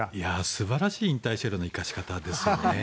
素晴らしい引退車両の生かし方ですよね。